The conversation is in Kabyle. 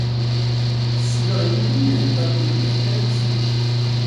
Ssneɣ yiwen iheddren mliḥ tarusit.